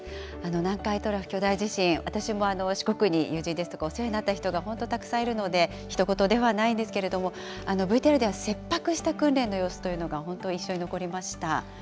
南海トラフ巨大地震、私も四国に友人ですとか、お世話になった人が本当たくさんいるので、ひと事ではないですけれども、ＶＴＲでは切迫した訓練の様子というのが、本当、印象に残りました。